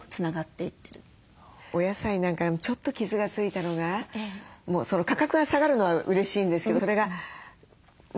お野菜なんかちょっと傷が付いたのが価格が下がるのはうれしいんですけどそれがね